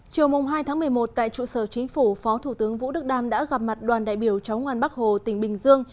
chiều hai một mươi một tại trụ sở chính phủ phó thủ tướng vũ đức đam đã gặp mặt đoàn đại biểu cháu ngoan bắc hồ tỉnh bình dương